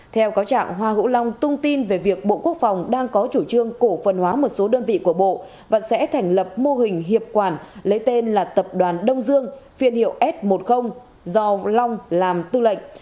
theo cáo trạng hoa hữu long tung tin về việc bộ quốc phòng đang có chủ trương cổ phần hóa một số đơn vị của bộ và sẽ thành lập mô hình hiệp quản lấy tên là tập đoàn đông dương phiên hiệu s một mươi do long làm tư lệnh